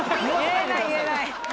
言えない言えない！